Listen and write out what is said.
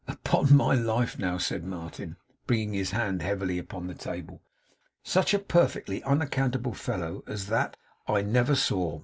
'Upon my life, now!' said Martin, bringing his hand heavily upon the table; 'such a perfectly unaccountable fellow as that, I never saw.